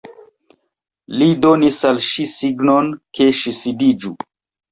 Li donis al ŝi signon, ke ŝi sidiĝu.